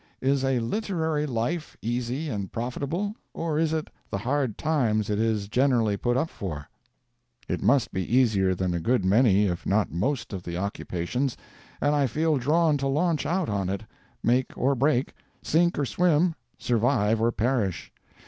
Is a literary life easy and profitable, or is it the hard times it is generally put up for? It must be easier than a good many if not most of the occupations, and I feel drawn to launch out on it, make or break, sink or swim, survive or perish.